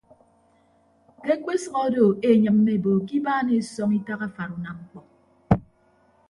Ke ekpesʌk odo eenyịmme ebo ke ibaan esọñ itak afara unamñkpọ.